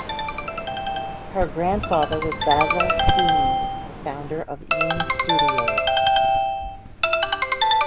Her grandfather was Basil Dean, the founder of Ealing Studios.